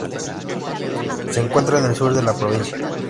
Se encuentra en el sur de la provincia.